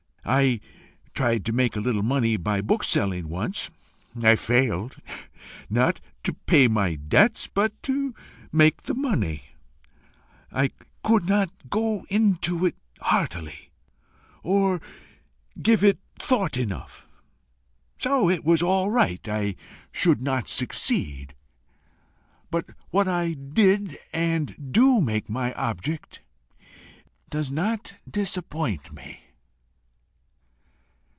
I tried to make a little money by book selling once: I failed not to pay my debts, but to make the money; I could not go into it heartily, or give it thought enough, so it was all right I should not succeed; but what I did and do make my object, does not disappoint me.